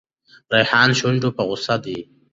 ریحان شونډو په غوسه دی.